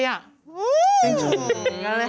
ไม่รู้